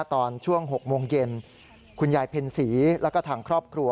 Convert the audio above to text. ตอนช่วง๖โมงเย็นคุณยายเพ็ญศรีแล้วก็ทางครอบครัว